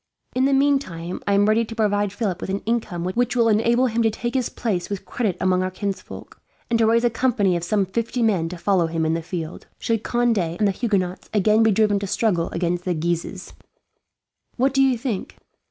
In the meantime I am ready to provide Philip with an income which will enable him to take his place with credit among our kinsfolk, and to raise a company of some fifty men to follow him in the field, should Conde and the Huguenots again be driven to struggle against the Guises. "What do you think?"